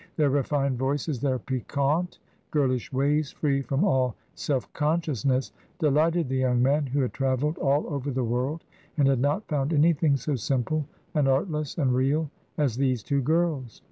Their refined voices, their piquante, girlish ways, free from all self consciousness, delighted the young man, who had travelled all over the world, and had not found anything so simple, and artless, and real, as these two girls.